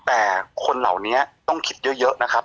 แต่คนเหล่านี้ต้องคิดเยอะนะครับ